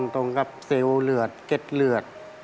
ตรงกับเซลล์เหลือดเก็ดเลือด